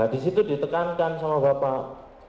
di situ ditekankan sama bapak